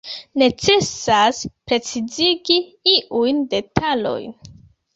Necesas precizigi iujn detalojn.